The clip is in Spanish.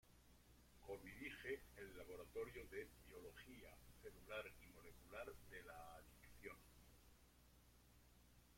Co-dirige el Laboratorio de "Biología Celular y Molecular de la Adicción".